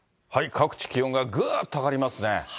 各地気温がぐっと上がりますね。